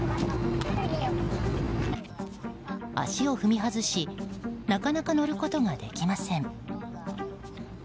足を踏み外しなかなか乗ることができません。